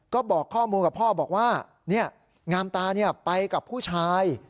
ก็บอกข้อมูลกับพ่อบอกว่างามตาไปกับผู้ชาย